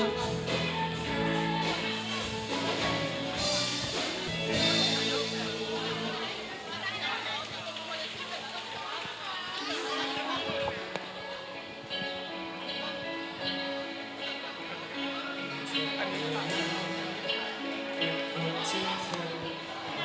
เอ่อโอเคโอเคก็ดูดีด้วยสำหรับโอเคโอเค